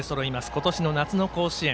今年の夏の甲子園。